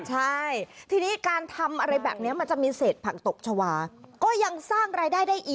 ใช่ทีนี้การทำอะไรแบบนี้มันจะมีเศษผักตกชาวาก็ยังสร้างรายได้ได้อีก